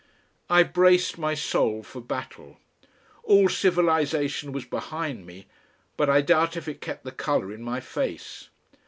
I braced my soul for battle. All civilisation was behind me, but I doubt if it kept the colour in my face.